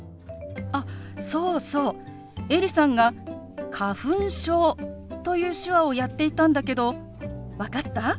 あそうそうエリさんが「花粉症」という手話をやっていたんだけど分かった？